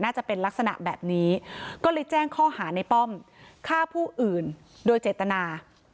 น่าจะเป็นลักษณะแบบนี้ก็เลยแจ้งข้อหาในป้อมฆ่าผู้อื่นโดยเจตนา